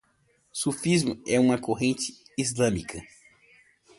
Sufismo é uma corrente islâmica